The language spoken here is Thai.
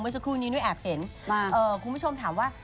สักครู่นี้ด้วยแอบเห็นคุณผู้ชมถามว่า